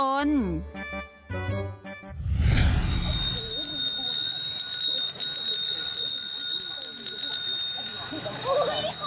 อุ๊ยมันยังหวานจน